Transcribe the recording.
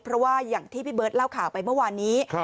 เพราะว่าอย่างที่พี่เบิร์ตเล่าข่าวไปเมื่อวานนี้